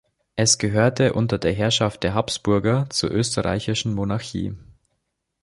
Es gehörte unter der Herrschaft der Habsburger zur Österreichischen Monarchie.